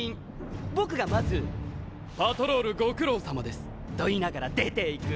僕がまず「パトロールご苦労さまです」と言いながら出ていく。